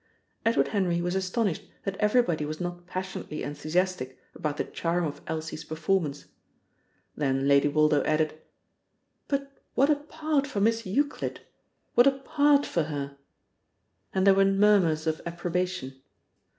Edward Henry was astonished that everybody was not passionately enthusiastic about the charm of Elsie's performance. Then Lady Woldo added: "But what a part for Miss Euclid! What a part for her!" And there were murmurs of approbation.